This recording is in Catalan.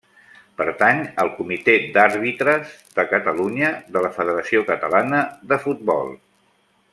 Pertany al Comitè d'Àrbitres de Catalunya de la Federació Catalana de Futbol.